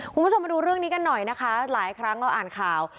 คุณผู้ชมมาดูเรื่องนี้กันหน่อยนะคะหลายครั้งเราอ่านข่าว